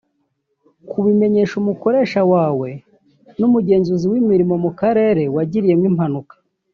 Kubimenyesha umukoresha wawe n’umugenzuzi w’imirimo mu karere wagiriyemo impanuka